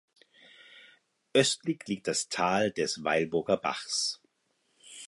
Östlich liegt das Tal des Weilburger Bachs.